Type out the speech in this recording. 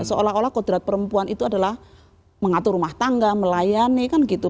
seolah olah kodrat perempuan itu adalah mengatur rumah tangga melayani kan gitu